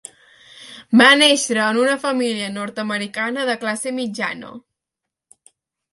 Va néixer en una família nord-americana de classe mitjana.